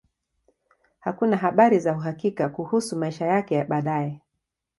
Hakuna habari za uhakika kuhusu maisha yake ya baadaye.